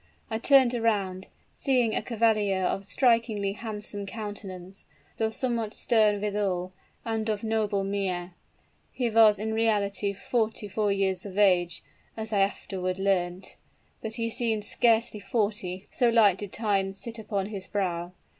I turned around, seeing a cavalier of strikingly handsome countenance though somewhat stern withal, and of noble mien. He was in reality forty four years of age as I afterward learnt; but he seemed scarcely forty, so light did time sit upon his brow.